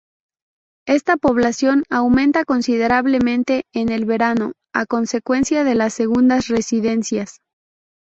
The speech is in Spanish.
Esta población aumenta considerablemente en el verano a consecuencia de las segundas residencias.